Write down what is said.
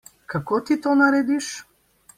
Kako ti to narediš?